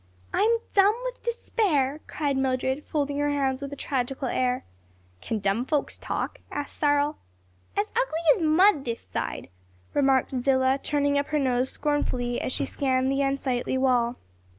"I'm dumb with despair!" cried Mildred, folding her hands with a tragical air. "Can dumb folks talk?" asked Cyril. "As ugly as mud this side," remarked Zillah, turning up her nose scornfully as she scanned the unsightly wall.